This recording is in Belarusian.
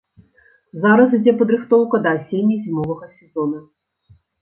Зараз ідзе падрыхтоўка да асенне-зімовага сезона.